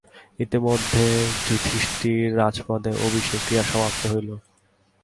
ইতোমধ্যে যুধিষ্ঠিরের রাজপদে অভিষেক-ক্রিয়া সমাপ্ত হইল।